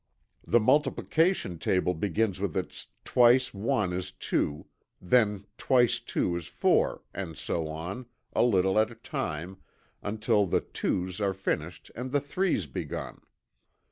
The multiplication table begins with its "twice 1 is 2," then "twice 2 is 4," and so on, a little at a time until the "twos" are finished and the "threes" begun.